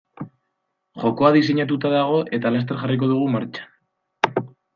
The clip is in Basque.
Jokoa diseinatuta dago eta laster jarriko dugu martxan.